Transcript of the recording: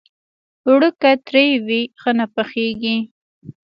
اوړه که ترۍ وي، ښه نه پخېږي